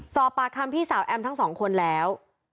สอบปากคำพี่สาวแอมทั้งสองคนแล้ว